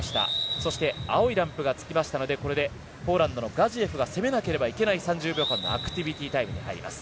そして青いランプがついたのでこれでポーランドのガジエフが攻めなければいけない３０秒間のアクティビティータイムに入ります。